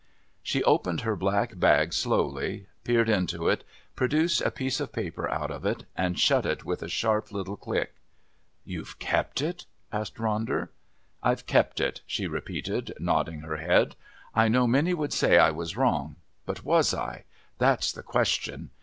She opened her black bag slowly, peered into it, produced a piece of paper out of it, and shut it with a sharp little click. "You've kept it?" asked Ronder. "I've kept it," she repeated, nodding her head. "I know many would say I was wrong. But was I? That's the question.